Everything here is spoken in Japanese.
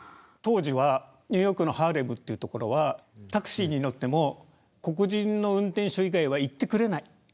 当時はニューヨークのハーレムっていう所はタクシーに乗っても黒人の運転手以外は行ってくれない。